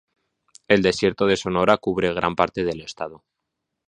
El Desierto de Sonora cubre gran parte del estado.